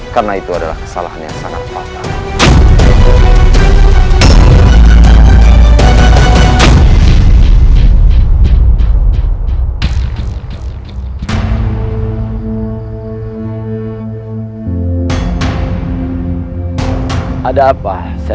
karena itu adalah kesalahan yang sangat patah